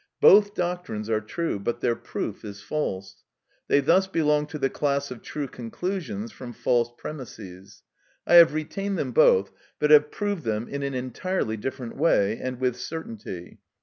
Both doctrines are true, but their proof is false. They thus belong to the class of true conclusions from false premises. I have retained them both, but have proved them in an entirely different way, and with certainty.